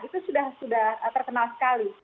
itu sudah terkenal sekali